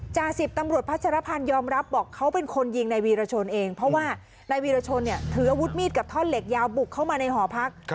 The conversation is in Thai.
สิบตำรวจพัชรพันธ์ยอมรับบอกเขาเป็นคนยิงนายวีรชนเองเพราะว่านายวีรชนเนี่ยถืออาวุธมีดกับท่อนเหล็กยาวบุกเข้ามาในหอพัก